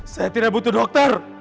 saya tidak butuh dokter